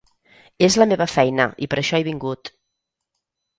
És la meva feina i per això he vingut.